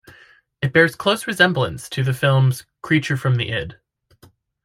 It bears a close resemblance to the film's "Creature from the Id".